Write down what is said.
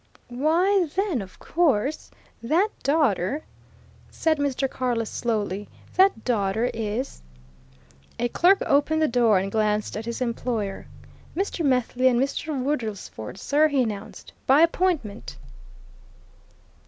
"Why, then, of course, that daughter," said Mr. Carless slowly, "that daughter is " A clerk opened the door and glanced at his employer. "Mr. Methley and Mr. Woodlesford, sir," he announced. "By appointment."